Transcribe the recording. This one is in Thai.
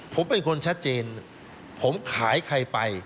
ผมเป็นคนชัดเจนผมขายใครไป